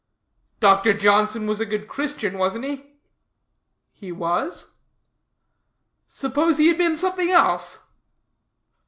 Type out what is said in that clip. "Dr. Johnson was a good Christian, wasn't he?" "He was." "Suppose he had been something else."